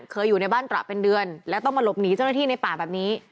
อยู่ในบ้านตระเป็นเดือนแล้วต้องมาหลบหนีเจ้าหน้าที่ในป่าแบบนี้